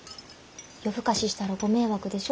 夜更かししたらご迷惑でしょ。